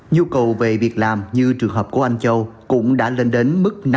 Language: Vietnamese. nhu cầu về việc làm như trường hợp của anh châu cũng đã lên đến mức năm con số